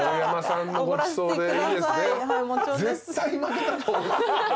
絶対負けたと。